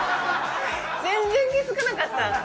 全然気づかなかった。